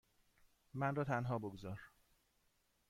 من را تنها بگذار.